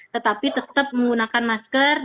tetapi tetap menggunakan masker